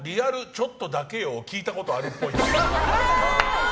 「ちょっとだけよ」を聞いたことがあるっぽい。